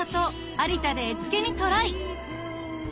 有田で絵付けにトライ